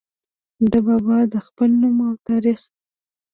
د بابا د خپل نوم او تاريخ